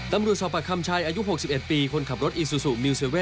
ตำรวจสอบประคัมชายอายุ๖๑ปีคนขับรถอิซูซูมิว๗